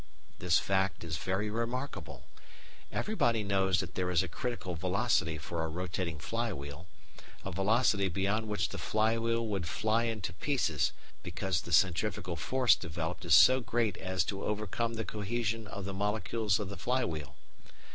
This fact is very remarkable. Everybody knows that there is a critical velocity for a rotating flywheel, a velocity beyond which the flywheel would fly into pieces because the centrifugal force developed is so great as to overcome the cohesion of the molecules of the flywheel.